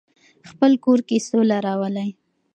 خپل کور کې سوله راولئ.